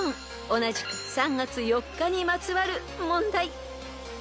［同じく３月４日にまつわる問題］